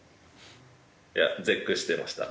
いや絶句してました。